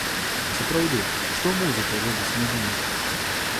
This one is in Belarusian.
Сапраўды, што музыка робіць з людзьмі!